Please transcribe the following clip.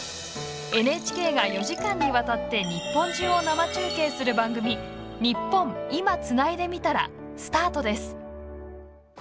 ＮＨＫが、４時間にわたって日本中を生中継する番組「ニッポン『今』つないでみたら」スタートです。